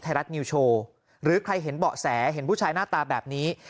ไทยรัฐนิวโชว์หรือใครเห็นเบาะแสเห็นผู้ชายหน้าตาแบบนี้